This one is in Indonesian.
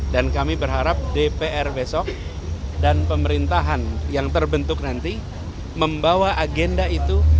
dan kami berharap dpr besok dan pemerintahan yang terbentuk nanti membawa agenda itu